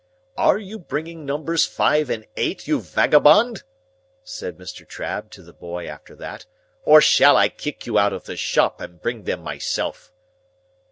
"Are you bringing numbers five and eight, you vagabond," said Mr. Trabb to the boy after that, "or shall I kick you out of the shop and bring them myself?"